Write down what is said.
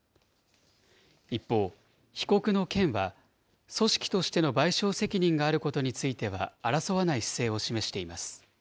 一方、被告の県は、組織としての賠償責任があることについては、争わない姿勢を示しています。